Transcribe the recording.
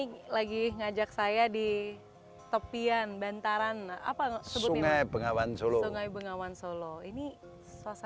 hai feek ye deeragaan lukis andalus